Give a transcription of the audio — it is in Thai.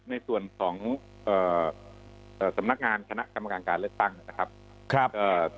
ในส่วนของเอ่อสำนักงานคณะกรรมการการเลือกตั้งนะครับครับเอ่อ